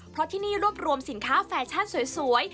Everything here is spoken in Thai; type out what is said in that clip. เพราะที่นี่รวบรวมสินค้าแฟชั่นสวย